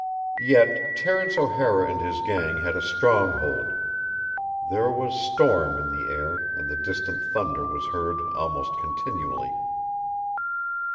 Yet Terence O'Hara and his gang had a strong hold; there was storm in the air and the distant thunder was heard almost continually.